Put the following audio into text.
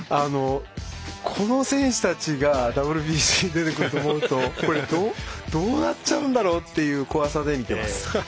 この選手たちがＷＢＣ出てくると思うとどうなっちゃうんだろうっていう怖さで見ています。